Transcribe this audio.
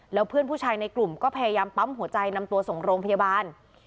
แล้วเพื่อนผู้ชายในกลุ่มก็พยายามปั๊มหัวใจนำตัวส่งโรงพยาบาล